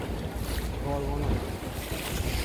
کاروانک